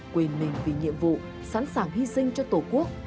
quên mình vì nhiệm vụ sẵn sàng hy sinh cho tổ quốc